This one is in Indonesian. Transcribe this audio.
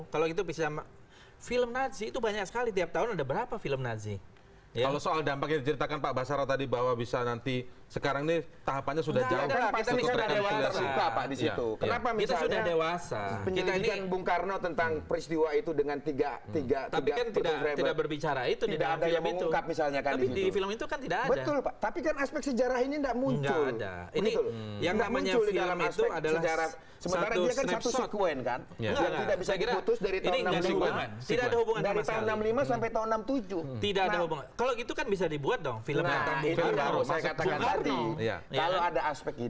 belakangan kemudian ada yang disebut juga gestok